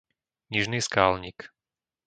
Nižný Skálnik